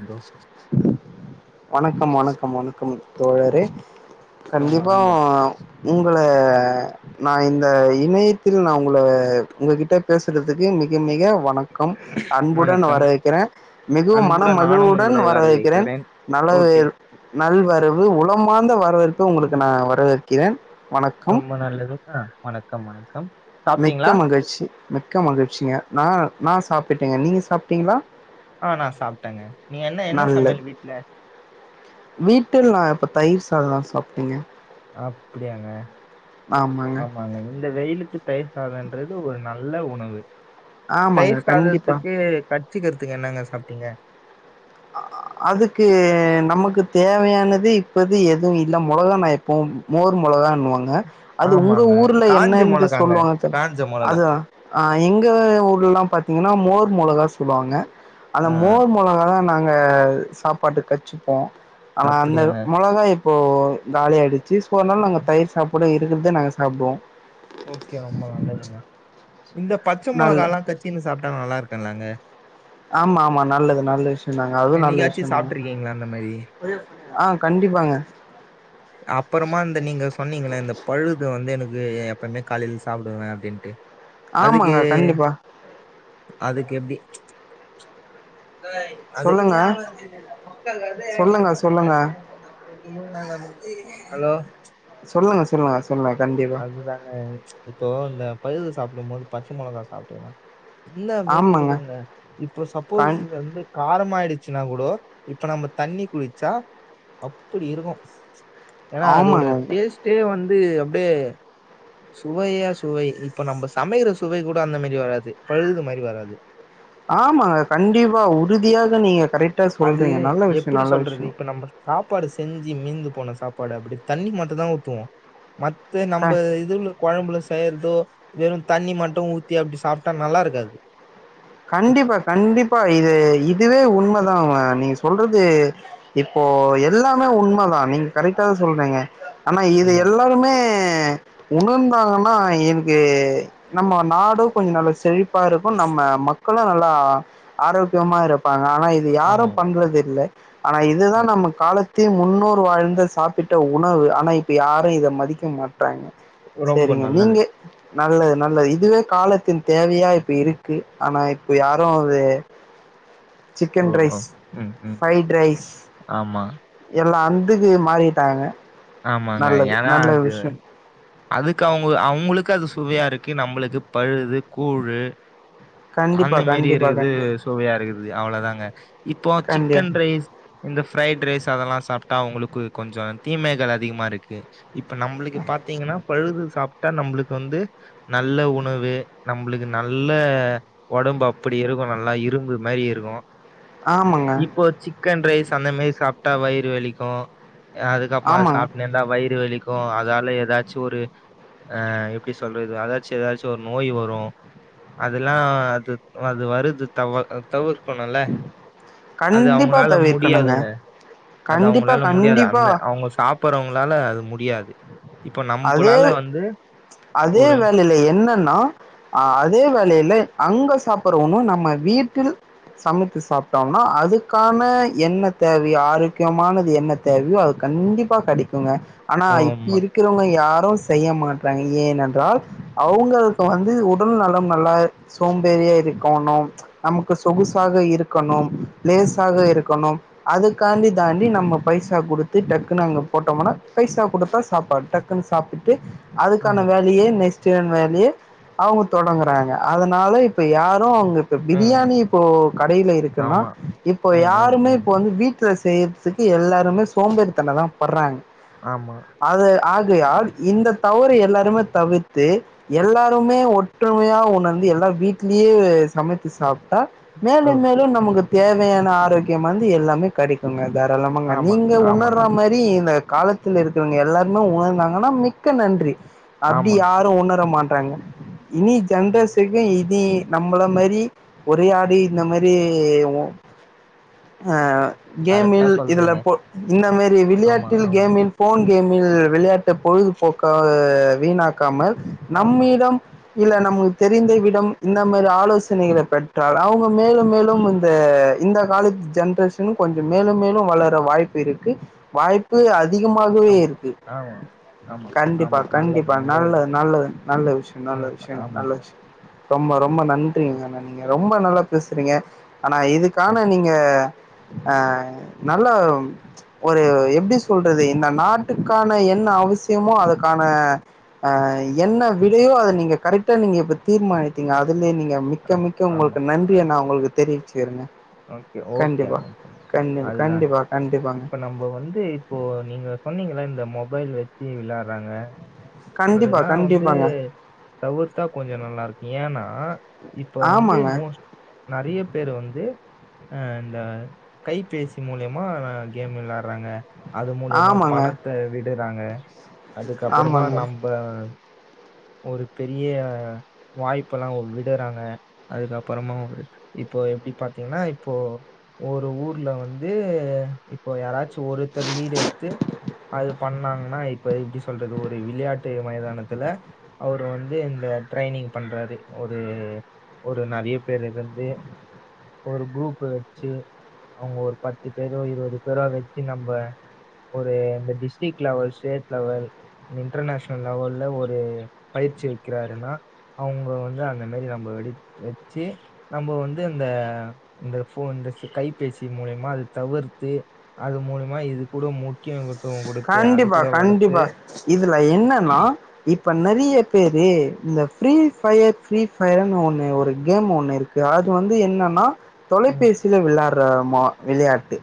Bro வணக் கம் வணக்கம் தோழரே ரொம்ப கண்டிப்பா ரொம்ப உங்களை நான் இந்த இணையத்தில் நான் உங்கள உங்ககிட்ட பேசுறதுக்கு மிக மிக வணக்கம் அன்புடன் வணக்கம் வரவேற்கிறேன் மிகவும் அன்புடன் நானும் மகிழ்வுடன் உங்களை வரவேற்கிறேன் வரவேற்கிறேன்நல் ஓகே நல்வரவு உளமார்ந்த வரவேற் பும் உங்களுக்கு நான் வரவேற்கிறேன் வணக்கம் ரொம்ப நல்லது ஆ வணக்கம் வணக்கம் மிக்க சாப்பிட்டீங்களா மகிழ்ச்சி மிக்க மகிழ்ச்சிங்க நான் நான் சாப்பிட்டேங்க நீங்கள் சாப்டீங்களா ஆ நான் சாப்டேங்க நீங்க என்ன என்ன நல்லது சமையல் வீட்ல ன்னலா சாப்ட்டீங்க அப்படியாங்க ஆமாங்க இந்த வெயிலுக்கு தயிர் சாதன்றது ஒரு நல்ல உணவு ஆமாங்க தயிர் கண்டிப்பா சாதத்துக்கு கடிச்சிக்கிறதுக்கு என்னங்க சாப்ட்டீங்க அதுக்கு நமக்கு தேவையானது இப்போது எதுவு இல்ல மொளகா [unintelligible] மோ மோர் மொளகான்னுவாங்க அது உங்க ஆமாங்க ஊர்ல காஞ்ச என்னன்று மிளகாங்க சொல்லுவாங்க தெர் காஞ்ச மிளகா அதா ஆ எங்க ஊர்லலாம் பாத் எங்கன்னா மோர் மொளகா சொல்லுவாங்க அந்த ஆ ஆ, மோர் மொளகா தா நாங்க சாப்பாட்டு கட்ச்சுப்போ ஆனா அந்த அப்படியாங்க மொளகா இப் போ காலி ஆயிடுச்சு சோ அனால நாங்க தயிர் சாப்பாடு இருக்கிறதே நாங்க சாப்டுவோ ஓகே ரொம்ப நல்லதுங்க இந்த பச்ச நல்ல மொளகால்லா கச்சின்னு சாப்ட்டா நல்லா இருக்கன்லங்க ஆமா ஆமா நல்லது நல்ல விஷ்யந்தாங்க அதுவு நல்ல என்னைக்காச்சும் விஷ்யந்தாங்க சாப்பிட்ருக்கீங்களா அந்த மாதிரி ஆ கண்டிப்பாங்க அப்புறமா இந்த நீங்க சொன்னீங்கல இந்த பழுது வந்து எனக் [unintelligible] எப்பவ்மே காலைல சாப்புடுவே அப்டின்ட்டு அதுக்கு ஆமாங்க கண்டிப்பா அதுக்கு எப்டி அது சொல்லுங்க சொல்லுங்க சொல்லுங்க அது ஹலோ சொல்லுங்க சொல்லுங்க சொல்லுங்க கண்டிப்பா அதுதாங்க இப்போ இந்த பழுது சாப்பிடும் போது பச்ச மொளகா சாப்டுங்க அந்த மாரி ஆமாங்க இருக்குங்க இப்ப சப்போஸ் கண் இது வந்து காரமாயிடுச்சுனா கூடொ இப்ப நம்ம தண்ணி குடுச்சா அப்புடி இருக்கு ஏனா அதோட ஆமாங்க டேஸ்டே வந் து அப் [unintelligible] சுவையா சுவை இப்ப நம்ப சமைக்கிற சுவை கூட அந்த மாரி வராது பழுது மாரி வராது ஆமாங்க கண்டிப்பா உறுதியாக நீங்க கரெக்ட் அது எப்புடி சொல்றது இப்ப நம்ப சாப்பாடு செஞ்சு மிந்து போன சாப்பாடு அப்படி தண்ணி மட்டும் தான் ஊத்துவோம் மத்த க நம்ம இதுல குழம்புல செய்யறதோ வெறும் தண்ணி மட்டும் ஊத்தி அப்படி சாப்பிட்டா நல்லா இருக்காது கண்டிப்பா கண்டிப்பா இது இதுவே உண்மை நீங்க சொல்றது இப்போ எல்லாமே உண்மை தான் நீங்க கரெக்டா சொல்றீங்க ஆனா இது ஆமா எல்லாருமே உணர்ந்தாங்க ஆஹ் எனக்கு நம்ம நாடும் கொஞ்சம் நல்லா செழிப்பா இருக்கும் நம்ம மக் மக்களும் நல்லா ஆரோக்கியமா இருப்பாங்க ஆனா இது யாரும் ஆமாங்க பண்றது இல்ல ஆனா இதுதான் ஆம் நம்ம காலத் த்தி முன்னோர் வாழ்ந்த சாப்பிட்ட உணவு ஆனா இப்ப யாரும் இத மதிக்க மாட்டறாங்க ரொம்ப நல்லது நல்லது நல்லது இதுவே காலத்தின் தேவையா இப்ப இருக்கு இப்போ யாரும் அது ஓ சிக்கன் ஓ ரைஸ் ம் ம் ப்ரைட் ரைஸ் ஆமா எல்லாம் அந்துக்கு மாறிட்டாங்க ஆமாங்க நல்லது என்ன நல்ல அது விஷயம் அதுக்கு அவங்க அவங்களுக்கு அது சுவையா இருக்கு நம் நம்புளுக்கு பழுது கூலு கண்டிப்பா அந்த மாரி கண்டிப்பா இருக்குது கண்டி சுவையா இருக்குது அவ்வளோதாங்க இப்போ கண்டி சிக்கன் ரைஸ் இந்த ப்ரைட் ரைஸ் அதெல்லாம் சாப் டா அவங்களுக்கு கொஞ்சம் தீமைகள் அதிகமா இருக்கு இப்ப நம்மளுக்கு பார்த்தீங்கன்னா பழுது சாப் நம்பளுக்கு வந்து நல்ல உணவு நம்பளுக்கு நல்ல உடம்பு அப்படி இருக்கும் நல்லா இரும்பு மாரி இருக்கும் ஆமாங்க இப்போ சிக்கன் ரைஸ் அந்த மாரி சாப் ட்டா வயிறு வலிக்கும் அதுக்கப்பறம் அத ஆமாங்க சாப்பிடே இருந்தா வயிறு வழிக்கும் அதால ஏதாச்சும் ஒரு எப்படி சொல்ற அதச்ச ஏதாச்சும் ஒரு நோய் வரும் அதெல்லாம் அது வருது தவ தவிர் சென்னல அது கண்டிப்பா அவங்களால தவிர்க்கணுங்க முடியாதுங்க அது கண்டிப்பா அவங்களால முடியாது கண்டிப்பா அந்த அவங்க சாப்பிடறவங்களால அது முடியாது உம் அதே அதே ஒரு வேலையில என்னன்னா அதே வேலையில அங்க சாப்படுறவன்னும் நம்ம வீட்டில் சமைத்து சாப் ம்னா அதுக்கான என்ன தேவையோ ஆரோக்கியமானது என்ன தேவையோ அது கண்டிப்பா கிடைக்குங்க ஆனா ஓ! இப்ப ஆமா. இரு யாரும் செய்ய மாட்டறாங்க ஏனென்றால் அவங்களுக்கு வந்து ஒரு [unintelligible] சோம்பேறியா இருக்கோணும் நமக்கு சொகுசாக இருக்கணும் லேசாக இருக்கணும் அது தாண்டி தாண்டி நம்ம பைசா குடுத்து டக்கு நா அங்க போட்டோம்னா பைசா குடுத்தா சாப்பாடு டக்குன்னு சாப்பிட்டு அதுக்கான ஆமாங்க, வேலையே ஆமாங்க. நெக்ஸ்ட் வே இதுவே அவுங்க தொடங்குறாங்க அதனால இப்ப யாரும் அங்க இப்ப ம், ம், பிரியாணி ம். இப்போ கடைல இருக்குன்னா ஆமா. இப்போ ம், ம், யாருமே ம். இப்போ வந்து வீட் செய்யறதுக்கு எல்லாருமே சோம்பேறி தனம் தான் படுறாங்க ஆமா ஆகையால் இந்த தவறு எல்லாருமே தவிர்த்து எல்லாருமே ஒற்றுமையா உணர்ந்து எல்லா வீட்லயே சமைத்து சாப்பிட்டா மேலும் ஓகே. மேலும் நமக்கு தேவை தேவையான ஆரோக்கியம் வந்து எல்லாமே கடைக்குங்க தாராளாமங்க ஆமா, நீங்க உணர்ற ஆமாங்க. மாரி இந்த காலத்தில் இருக்கிறவங்க எல்லா [unintelligible] நாங்கன்னா மிக்க நன்றி அப்டி ஆமா, யாரும் உணர மாட் [unintelligible] இனி ஆமாங்க. ஜென்ரேசுக்கும் இனி நம்மள மாரி ஒரே ஆடி இந்த மாரி ம்ம்ம் ஆ கரெக்ட்டா கேமில் இதுல சொல்றீங்க. போ இந்தமாரி ஆமா, விளையாட்டில் ஆமா, கேமில் போன் கேம் ல் விளையாட் பொழுதுபோக்காக வீணாக்காமல் ஆமா, நம்மீதம் இல்ல நமக்கு தெரிந்த விடம் இந்த மாதிரி ஆலோசனைகளை பற்ற அவங்க மேலும் மேலும் இந்த இந்த காலத்து ஜென்ரேஷன் கொஞ்சோம் மேலும் மேலும் வளர வாய்ப்பு இருக்கு வாய்ப்பு அதிகமாகவே ஆமா, இருக் ஆமா, ஆமா, கண்டிப்பா ஆமா. நல்லது, கண்டிப்பா நல்லது நல்லது நல்ல விஷயம் நல்ல ஆமா, விஷயங்க நல்ல ஆமாங்க. விஷயம் ரொம்ப ரொம்ப நன்றிங்க அண்ணா நீங்க ரொம்ப நல்லா பேசுறீங்க ஆனா ஓகே. இதுக்கான நீங்க ஆஹ நல்ல ஒரு எப்டி சொல்றது இந்த நாட கான என்ன அவசியமோ அதுக்கான என்ன விடையோ அத நீங்க கரெக்டா நீங்க இப்ப தீர்மானம் எடுத்தீங்க அதுல நீங்க மிக்க ஆமா மிக்க ஆமா உங்களுக்கு நன்றிய ஆமா நா உங்களுக்கு தெரிவிச்சுக்கிறேங்க ஒகே ஒகே கண்டிப்பா ஒகேங்க கண்டிப்பா அதுதாங்க கண்டிப்பா கண்டிப்பாங்க இப்ப நம்ம வந்து இப்போ நீங்க சொன்னீங்களா இந்த மொ மொபைல் வச்சு விளயாடுறாங்க கண்டிப்பா அதெல்லாம் வந்து கண்டிப்பாங்க தவிர்த்தா கொஞ்சம் நல்லா இருக்கும் ஏன்னா இப்போ வந்து ஆமாங்க மோஸ்ட் நிறைய பேர் வந்து அ இந்த கைபேசி மூலியமா கேம் வெளயாடுறாங்க அது மூலியமா ஆமாங்க பணத்த விடுறாங்க அதுக்கப்பறமா ஆமாங்க நம்ம ஒரு பெரிய வாய்ப்பு எல்லாம் விடுறாங்க அதுக்கப்பறமா ஒரு இப்போ எப்படி பாத்தீங்கன்னா இப்போ ஒரு ஊர்ல வந்து இப்போ யாராச்சும் ஒருத்தர் லீடு எடுத்து அது பண்ணாங்கன்னா இப்ப எப்படி சொல்றது ஒரு விளையாட்டு மைதானத்துல அவரு வந்து இந்த ட்ரைனிங் பண்றாரு ஒரு ஒரு நிறைய பேர் இருந்து ஒரு குரூப்பு வச்சு அவங்க ஒரு பத்து பேரு இருபது பேரா வச்சு நம்ம ஒரு இந்த district level state level international லெவல்ல ஒரு பயிற்சி வைக்கிறாருன்னா அவங்க வந்து அந்த மாரி நம்ம வெ வச்சு நம்ம வந்து இந்த இந்த கைபேசி மூலியமா அது தவிர்த்து அது மூலியமா இது கூட முக்கியம் கண்டிப்பா கண்டிப்பா இதுல என்னனா இப்ப இப்ப நிறைய பேரு இந்த free fire free free fire ஒண்ணு ஒரு கேம் ஒண்ணு இருக்கு அது வந்து என்னன்னா ம் தொலைபேசியில விலா இப்ப மா விளையாட்டு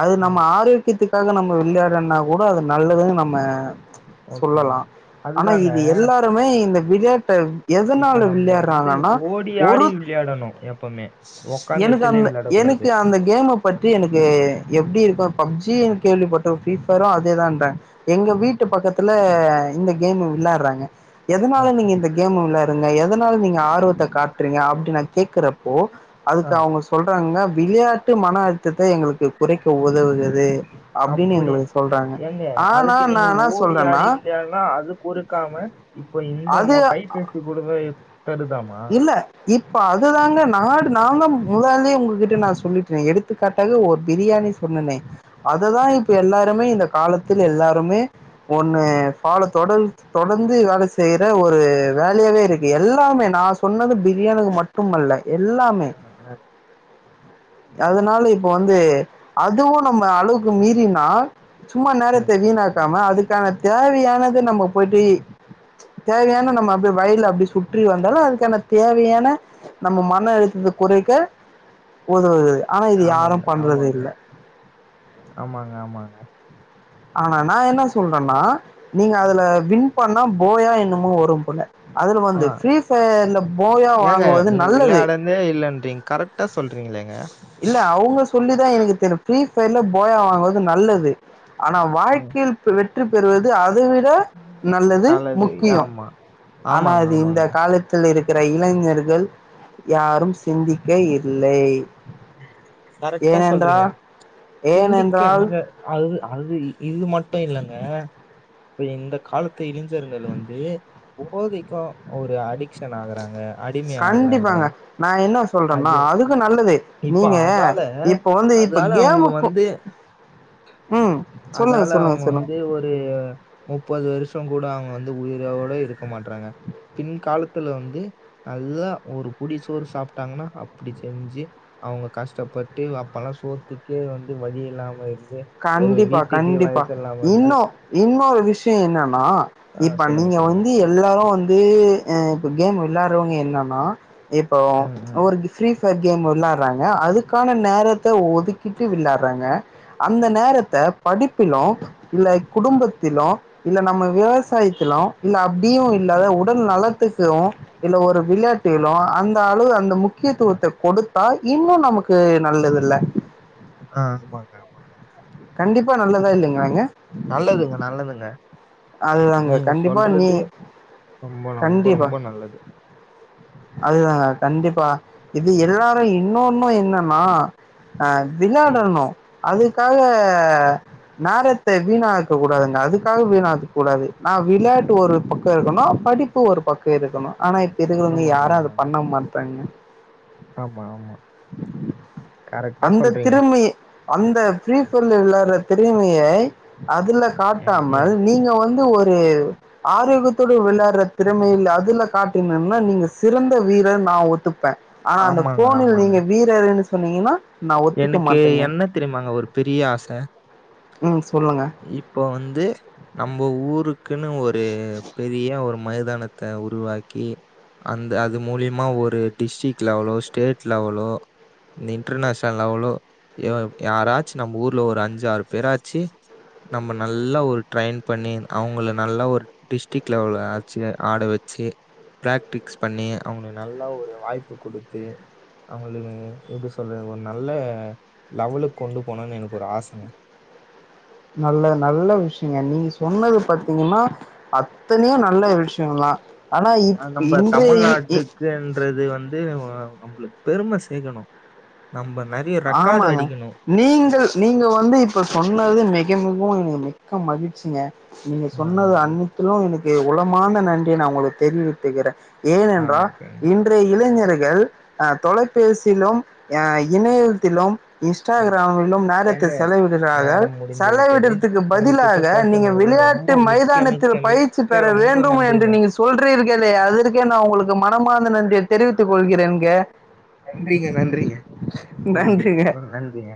அது நம்ம ம் ஆரோக்கியத்துக்கு அப்ப நம்ம விளையாடுரன் நா கூட அது நல்லதுன்னு நம்ம ஓகேங்க. சொல்லலாம் ஆனா அதுதாங்க இது எல்லாருமே இந்த விளையாட்டைம் எதனால இப்ப நம்ப வந்து விளையாடுறாங்கன்னா ஓடி ஒரு ஆடி விளையாடணும் எப்பவுமே. உக்காந்த எனக்கு எடத்துலயே அந்த விளையாடக்கூடாது. எனக்கு அந்த கேம பத்தி எனக்கு எப்டி இருக்கும் பப்ஜி சீ எல் கேள்விபட்டோம் பி பேரும் அதேதான்றாங்க எங்க வீட்டு பக்கத்துல இந்த கேம் விளயாடுறாங்க அ, எதனால நீங்க இந்த கேம் விளையாருங்க எத அதனால நீங்க ஆர்வத்த காட்டுறீங்க அப்டின் நான் கேக்குறப்போ அ அதுக்கு அவங்க சொல்றாங்கன்னா விளையாட்டு மன அழுத்தத்தை எங்களுக்கு குறைக்க உதவுகது அப்படின்னு அப்படி எங்களுக்கு சொல்றாங்க ஏங்க ஆனா அதுக்கு நா நீங்க என்ன ஓடி சொல்றேன்னா ஆடி விளையாடுன்னா அதுக்குறுக்காம இப்ப அது இந்த கைபேசி கொடு தருதாமா இல்ல இப்ப அதுதாங்க நாடு நானான் முதாலே உங்ககிட்ட நான் சொல்லிட்டேன் எடுத்துக்காட்டாக ஒரு பிரியாணி சொன்னனேன் அதைதான் இப்ப எல்லாருமே இந்த காலத்துல எல்லாருமே ஒண்ணு பல தொடர் தொடர்ந்து வேலை செய்யற ஒரு வேலையாவே இருக்கு எல்லாமே நா பிரியாணி மட்டும்மல்ல எல்லாமே அதனால இப்ப வந்து அதுவு நம்ம அளவுக்கு மீறினா சும்மா ம், நேரத்தை ம், ம். வீணாக்காம அதுக்கான தேவையானது நம்ம போயிட்டு தேவையனா நம்ம அப்படிய வயல அப்படி சுற்றி வந்த தலழத் என தேவையான நம்ம மன அழுத்தத்தை குறைக்க உதவுது ஆனா இது ஆமாங்க யாரும் பண்றது ஆமாங்க இல்லை ஆமாங்க ஆமாங்க ஆனா நா என்ன சொல்றன்னா நீங்க அதுல வின் பண்ணா போயா என்னம வரும் போல அதுல ஆ வந்து பிரீ பையர் போயா ஏங்க வாங்குவது நீங்க நல்லது விளையாடதே இல்லைன்றீங்க கரெக்டா சொல்றீங்களேங்க இல்ல அவங்க சொல்லிதான் எனக்கு தெரியு இப்ப இல்ல போயா வாங்குவது நல்லது ஆனா ம். வாழ்க்கையில் வெற்றி பெறுவது அதை விட நல்லது முக்கியம் ஆனா ஆமாங்க அது இந்த ஆமாங்க காலத்தில்இருக் இருக்கிற இளைஞர்கள் யாரும் சிந்திக்க இ இல்லை கரெக்டா சொல்றீங்க ஏனென்றால் சிந்திக்க ஏனென்றால் நீங்க அது அது இது மட்டு இல்லங்க இந்த காலத்து இளைஞர்கள் வந்து போதைக்கு ஒரு அடி டேஷன் ஆகுறாங்க அடிமை ஆகுறாங்க கண்டிப்பாங்க நா என்ன சொல்றேன்னா அது அதுக்கு நல் இப்ப அதால இப்ப அதால அவங்க கேமுக்கு வந்து ம் சொல்லுங்க அதால சொல்லுங்க அவங்க சொல்லுங்க வந்து ஒரு முப்பது வருஷம் கூட அவங்க வந்து உயிரோட இருக்க மாட்டறாங்க பின் காலத்துல வந்து நல்லா ஒரு புடி சோறு சாப்பிட்டாங்கன்னா அப்டி செஞ்சு அவங்க கஷ்டப்பட்டு அப்பெல்லா சோத்துக்கே வந்து வழி இல்லாம இருந்து ஒரு கண்டிப்பா வீட்டுக்கு கண்டிப்பா வயசெல்லாம் வந்து இன்னும் இன்னொரு விஷயம் என்னன்னா ஆ இப்ப சொல்லுங்க, நீங்க சொல்லுங்க. வந்து எல்லாரும் வந்துஹ இப்ப கேம் விளையாடுறவங்க எல்லாமே நா இப்போ ம், ம். ஒரு ப்ரீ சா கேம் வெளாடுறாங்க அதுக்கான நேரத்த ஒதுக்கிட்டு வெளயாடுறாங்க அந்த நேரத்த படிப்பிலும் இல்ல குடும்பத்திலும் இல்ல நம்ம விவசாயத்திலும் இல்ல அப்டியு இல்லாத உடல் நலத்துக்கு இல்ல ஒரு விளையாட்டுலு அந்த அளவு அந்த முக்கியத்துவத்த கொடுத்தா இன்னும் நமக்கு நல்லது இல்ல வாங்க கண்டிப்பா நல்லதா இல்லைங்களாங்க நல்லதுங்க, நல்லதுங்க. அதுதாங்க நீங்க கண்டிப்பா நீ சொல்றது ரொம்ப ரொம்ப கண்டிப்பா ரொம்ப நல்லது. அதுதா கண்டிப்பா இது எல்லாரு இன்னொன்னு என்ன மா ஹ ம். விளையாடணு அதுக்காக நேரத்த வீணாக்க கூடாதுங்க அதுக்காக வீணா கூடாது நான் விளையாட்டு ஒரு பக்கம் இருக்கணும் படிப்பு ஒரு பக்கம் இருக்கணும் ஆனா இப்ப இருக்கிறவங்க ஆமாங்க, யாரும் அது ஆமாங்க. பண்ண மாட்டாங்க ஆமா, ஆமா. கரெக்ட்டா அந்த சொல்றீங்க. திருமி அந்த பீபர்ல விளையாடுற திருமியை அதுல ம், ம். காட்டாமல் நீங்க வந்து வந்து ஒரு ஆரோக்கியத்தோடு வெளயாடுற திறமையில அதுல காட்டினன்னா நீங்க சிறந்த வீரர் நான் ஒத்துப்பேன் ஆனா அந்த ஆமாங்க போனில் ஆமாங்க நீங்க வீரர் சொன்னிங்கனா எனக்கு என்ன தெரியுமாங்க ஒரு பெரிய ஆச ம் சொல்லுங்க இப்ப வந்து நம்ம ஊர் இதுக்ன்னு ஒரு பெரிய ஒரு மைதானத்த உருவாக்கி அந்த அது மூலியமா ஒரு டிஸ்ட்ரிக் லெவலோ ஸ்டேட் லெவலோ இந்த இன்டர்நேஷ்னல் ப்ப லெவளோ யாராச்சு நம்ப ஊர்ல ஒரு அஞ்சு ஆறு பேராச்சு நம்ப நல்லா ஒரு ட்ரயின் பண்ணி அவுங்கல நல்ல ஒரு டிஸ்டிக் லெவலாச்சு ஆட வச்சு பிராக்டிக்ஸ் பண்ணி அவுங்கள நல்ல ஒரு வாய்ப்பு குடுத்து அவுங்களுக்கு எப்டி சொல்றது நல்ல ஒரு லெவலுக்கு கொண்டு போனும்ன்னனு எனக்கு ஒரு ஆசங்க நல்ல நல்ல விஷயங்க நீ சொன்னது பாத்தீங்கன்னா அத் தன்னியா நல்ல ஒரு விஷ்யங்க வ ம் நம்ம தமிழ்நாட்டுக்குன்றது வந்து நம்பளுக் பெரும சேக்கணும் ஆமாங்க நீங்கள் நீங்க வந்து இப்ப சொன்னது மிக மிகவும் இண மிக்க மகிழ்ச்சிங்க நீங்க ஆ சொன்னது அனைத்திலும் எனக்கு உலமாந்த நன்றியை நான் உங்களுக்கு தெரிவித்துக்கிறேன் ஆ ஏனென்றா ஓகேங்க இன்றைய இளைஞரை ஹ தொலைபேசியிலும் ஹ இணைய ம் இன்ஸ்டாகிராமும் நேரத்தை ஏங்க செலவிடுகிறார்கள் நேரம் முடிந்து விட்டது செலவிடுதுக்கு உங்ககிட்ட பதிலாக நீங்க பேசுனது ரொம்ப விளையாட்டு மிக்க மைதானத்தில் மிக்க பயிற்சி மிக்க பெற ரொம்ப வேண்டும் என்று நன்றிங்க நீங்க சொல்லுறீங்க அதற்கே நான் உங்களுக்கு மனமார்ந்த நன்றிய தெரிவித்துக் கொள்கிறேன் நன்றிங்க நன்றிங்க நன்றி நன்றிங்க நன்றிங்க